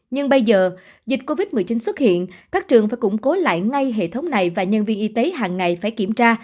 nhưng bây giờ dịch covid một mươi chín xuất hiện các trường phải củng cố lại ngay hệ thống này và nhân viên y tế hàng ngày phải kiểm tra